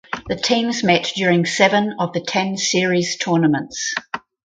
The teams met during seven of the ten Series tournaments.